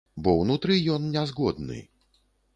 Бо ўнутры ён не згодны.